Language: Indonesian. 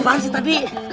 apaan sih tadi